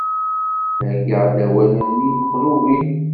Heǧǧaɣ-d awal-nni meqlubi.